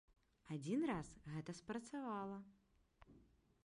Адзін раз гэта спрацавала.